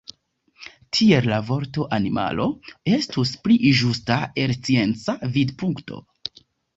Tiel la vorto „animalo” estus pli ĝusta el scienca vidpunkto.